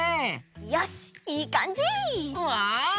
よしいいかんじ！わい！